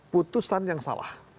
putusan yang salah